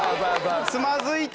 つまずいた！